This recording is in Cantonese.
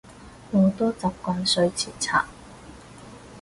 我都習慣睡前刷